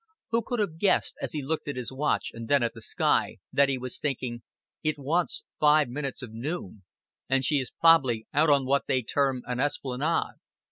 Who could have guessed, as he looked at his watch and then at the sky, that he was thinking: "It wants five minutes of noon, and she is prob'ly out on what they term an esplanade.